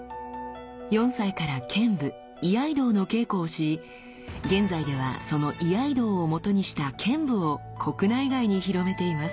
４歳から剣舞居合道の稽古をし現在ではその居合道をもとにした剣舞を国内外に広めています。